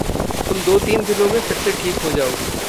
तुम दो तीन दिनों में फिरसे ठीक हो जाओगी।